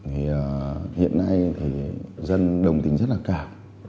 thì hiện nay thì dân đồng tính rất là cao